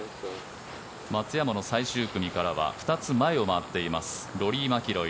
松山の最終組からは２つ前を回っていますローリー・マキロイ。